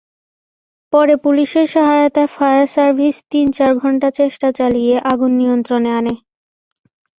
পরে পুলিশের সহায়তায় ফায়ার সার্ভিস তিন-চার ঘণ্টা চেষ্টা চালিয়ে আগুন নিয়ন্ত্রণে আনে।